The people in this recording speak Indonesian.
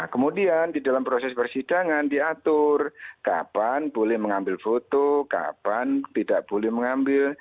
kemudian di dalam proses persidangan diatur kapan boleh mengambil foto kapan tidak boleh mengambil